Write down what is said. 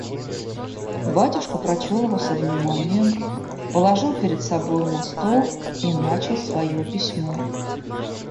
Батюшка прочел его со вниманием, положил перед собою на стол и начал свое письмо.